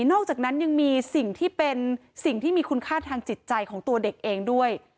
นอกจากนั้นยังมีสิ่งที่มีคุณค่าทางจิตใจของตัวเด็กเองด้วย